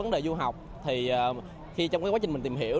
du học thì khi trong quá trình mình tìm hiểu